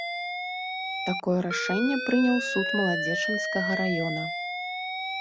Такое рашэнне прыняў суд маладзечанскага раёна.